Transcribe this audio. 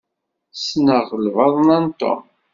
Sneɣ lbaḍna n Tom.